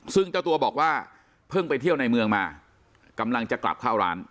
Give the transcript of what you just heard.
ซึ่งเจ้าตัวบอกว่าเพิ่งไปเที่ยวในเมืองมากำลังจะกลับเข้าร้าน